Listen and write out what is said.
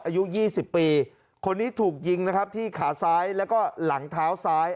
อายุ๒๐ปีคนนี้ถูกยิงนะครับที่ขาซ้ายแล้วก็หลังเท้าซ้าย